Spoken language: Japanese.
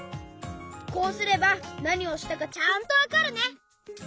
こうすればなにをしたかちゃんとわかるね！